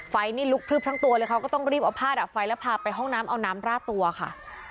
ไฟนี่ลุกพลึบทั้งตัวเลยเขาก็ต้องรีบเอาผ้าดับไฟแล้วพาไปห้องน้ำเอาน้ำราดตัวค่ะ